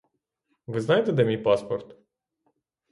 Ви знаєте, де мій паспорт?